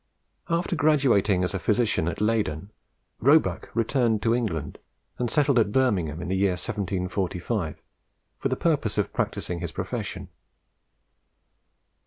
After graduating as a physician at Leyden, Roebuck returned to England, and settled at Birmingham in the year 1745 for the purpose of practising his profession.